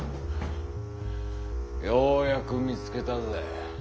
ようやく見つけたぜ。